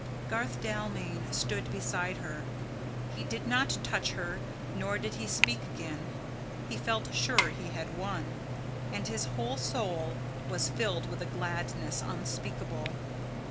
Garth Dalmain stood beside her. He did not touch her, nor did he speak again. He felt sure he had won; and his whole soul was filled with a gladness unspeakable.